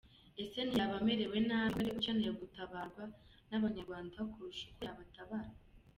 Ese ntiyaba amerewe nabi ahubwo ariwe ukeneye gutabarwa n’abanyarwanda kurusha uko yabatabara ?